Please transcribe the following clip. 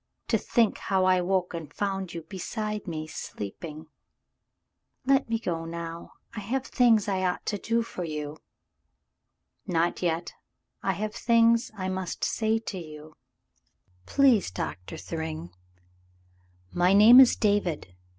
To think how I woke and found you beside me sleeping —" "Let me go now. I have things I ought to do for you." "Not yet. I have things I must say to you." Cassandra's Confession 187 « Please, Doctor Thryng." "My name is David.